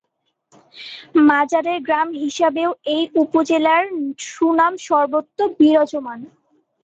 মাজারের গ্রাম হিসাবেও এই উপজেলার সুনাম সর্বত্র বিরাজমান।